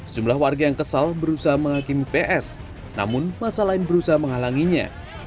sejumlah warga yang kesal berusaha menghakimi ps namun masa lain berusaha menghalanginya